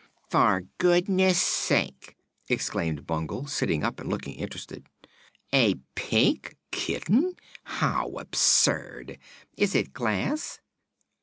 "For goodness sake!" exclaimed Bungle, sitting up and looking interested. "A Pink Kitten? How absurd! Is it glass?"